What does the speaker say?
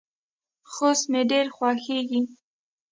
خوست مې ډیر خوښیږي.